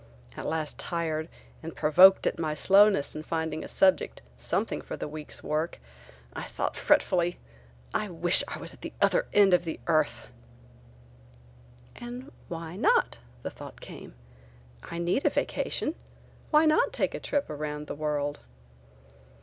At last tired and provoked at my slowness in finding a subject, something for the week's work, I thought fretfully: "I wish I was at the other end of the earth!" "And why not?" the thought came: "I need a vacation; why not take a trip around the world?"